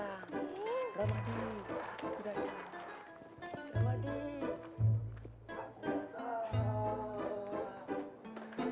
rahmadi aku datang